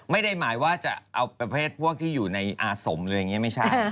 ไม่ได้หมายว่าจะเอาประเภทพวกที่อยู่ในอาสมหรืออย่างนี้ไม่ใช่